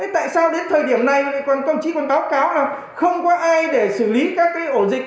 tại sao đến thời điểm này công chí còn báo cáo không có ai để xử lý các ổ dịch